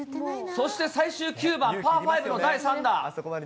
そして最終９番、パー５の第３打。